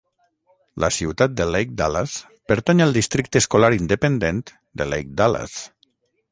La ciutat de Lake Dallas pertany al districte escolar independent de Lake Dallas.